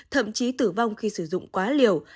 thậm chí tử vong khi sử dụng quá liều